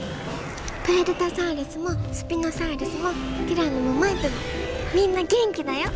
プエルタサウルスもスピノサウルスもティラノもマイプもみんな元気だよ。